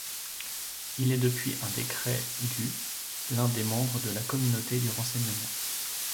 Il est depuis un décret du l'un des membres de la Communauté du renseignement.